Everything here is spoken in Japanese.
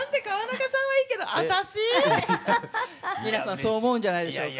皆さんそう思うんじゃないでしょうか。